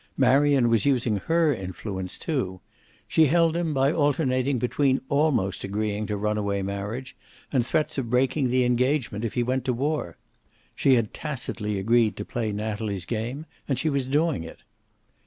Marion was using her influence, too! She held him by alternating between almost agreeing to runaway marriage and threats of breaking the engagement if he went to war. She had tacitly agreed to play Natalie's game, and she was doing it.